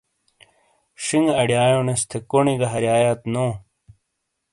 ݜینگے اڑیایونیس تھے، کونڈی گہ ہاریایات نو ۔